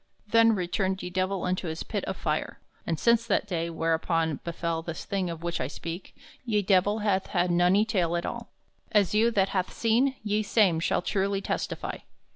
Then returned ye Divell unto his pit of fire; and since that day, whereupon befell this thing of which I speak, ye Divell hath had nony taile at all, as you that hath seene ye same shall truly testify.